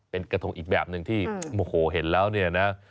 เป็นกระทงอีกแบบหนึ่งที่เห็นแล้วนะ